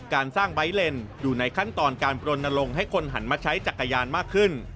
การสร้างไบท์เลนอยู่ในขั้นตอนการปลนลงให้คนหันมาใช้จักรยานมากขึ้น